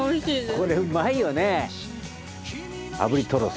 これうまいよね！